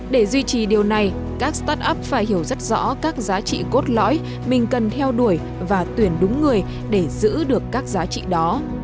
để duy trì điều này các start up phải hiểu rất rõ các giá trị cốt lõi mình cần theo đuổi và tuyển đúng người để giữ được các giá trị đó